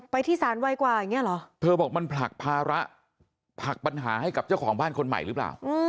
ไปที่สารไว่กว่าอย่างนี้เหรอ